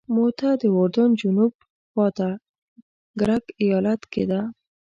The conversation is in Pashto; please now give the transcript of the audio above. موته د اردن جنوب خواته کرک ایالت کې ده.